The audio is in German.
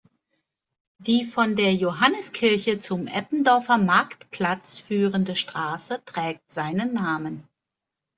Die von der Johannis-Kirche zum Eppendorfer Marktplatz führende Straße trägt seinen Namen.